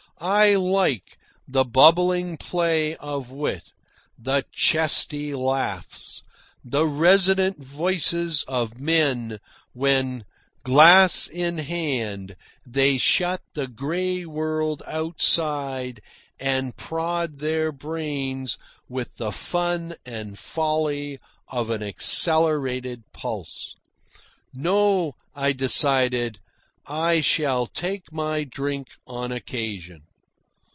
I like the bubbling play of wit, the chesty laughs, the resonant voices of men, when, glass in hand, they shut the grey world outside and prod their brains with the fun and folly of an accelerated pulse. No, I decided; I shall take my drink on occasion.